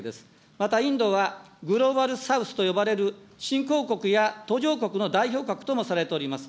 またインドはグローバル・サウスと呼ばれる、新興国や途上国の代表格ともされております。